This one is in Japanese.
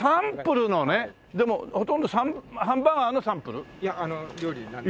でもほとんどハンバーガーのサンプル？いや料理なんでも。